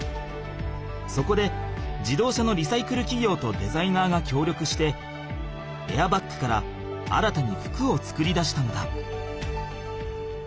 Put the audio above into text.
そこで自動車のリサイクルきぎょうとデザイナーがきょうりょくしてエアバッグから新たに服を作り出したのだ。